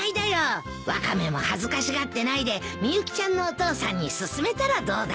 ワカメも恥ずかしがってないでみゆきちゃんのお父さんに勧めたらどうだ？